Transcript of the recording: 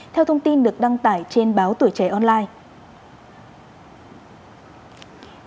theo thông tin được đăng tải trên báo tuổi trẻ online